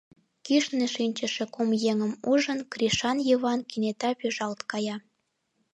Кӱшнӧ шинчыше кум еҥым ужын, Кришан Йыван кенета пӱжалт кая.